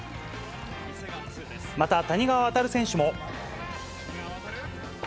また谷川航選手も。